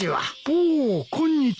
おおこんにちは。